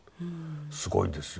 すごいですよ。